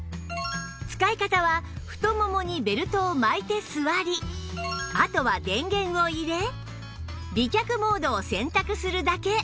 使い方は太ももにベルトを巻いて座りあとは電源を入れ美脚モードを選択するだけ